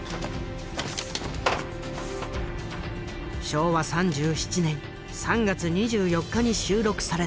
昭和３７年３月２４日に収録された「明烏」。